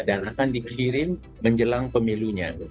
dan akan dikirim menjelang pemilihnya